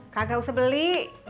kagak usah beli